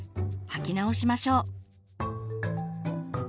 履き直しましょう。